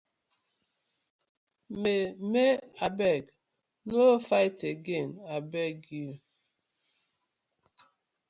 Maymay abeg no fight again abeg yu.